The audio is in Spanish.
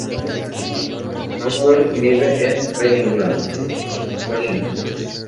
Boswell vive en Bellingham, Washington.